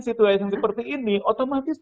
situasi seperti ini otomatis